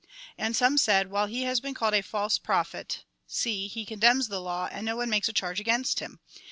And some said :" While he has been called a false prophet, see, he condemns the law, and no one makes a charge against him.